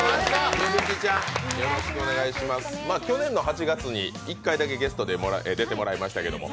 去年の８月に１回だけゲストで出てもらいましたけども。